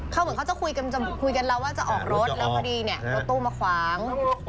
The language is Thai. เขาเหมือนเขาจะคุยกันแล้วว่าจะออกรถแล้วพอดีเนี่ยรถตู้มาขวาง